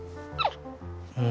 うん。